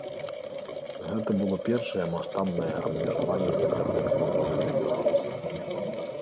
Гэта было першае маштабнае абмежаванне інтэрнэт-свабоды для беларусаў.